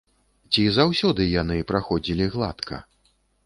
Ці заўсёды яны праходзілі гладка?